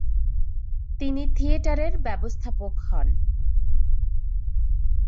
তিনি থিয়েটারের ব্যবস্থাপক হন।